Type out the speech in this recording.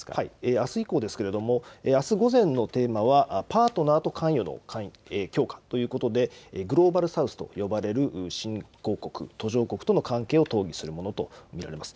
あす以降ですがあす午前のテーマはパートナーと関与の強化ということでグローバル・サウスと呼ばれる新興国、途上国との関係を討議するものと見られます。